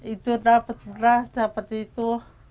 itu dapet beras dapet itu